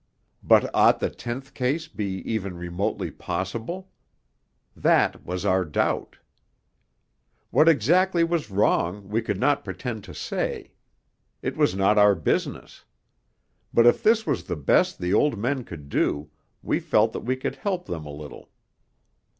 But ought the tenth case to be even remotely possible? That was our doubt. What exactly was wrong we could not pretend to say. It was not our business. But if this was the best the old men could do, we felt that we could help them a little.